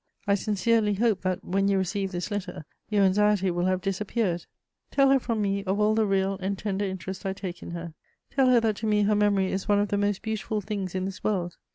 I sincerely hope that, when you receive this letter, your anxiety will have disappeared. Tell her from me of all the real and tender interest I take in her; tell her that to me her memory is one of the most beautiful things in this world.